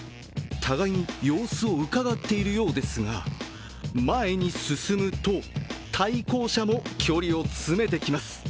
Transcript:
互いに様子をうかがってるようですが前に進むと対向車も距離を詰めてきます。